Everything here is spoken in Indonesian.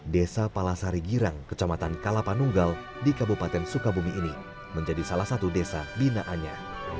desa palasari girang kecamatan kalapanunggal di kabupaten sukabumi ini menjadi salah satu desa binaannya